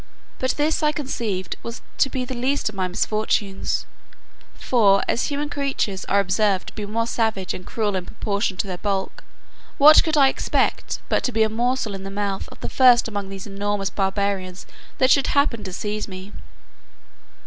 But this I conceived was to be the least of my misfortunes; for, as human creatures are observed to be more savage and cruel in proportion to their bulk, what could I expect but to be a morsel in the mouth of the first among these enormous barbarians that should happen to seize me?